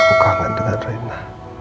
aku kangen dengan rena